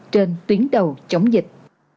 trên tuyến đầu chống dịch